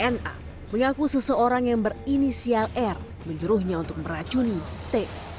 na mengaku seseorang yang berinisial r menyuruhnya untuk meracuni t